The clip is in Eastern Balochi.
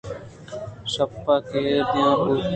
شپ کہ ایر دِیئان بُوت